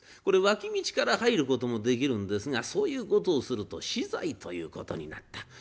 これ脇道から入ることもできるんですがそういうことをすると死罪ということになった。